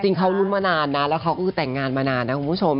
เขารุ้นมานานนะแล้วเขาก็คือแต่งงานมานานนะคุณผู้ชม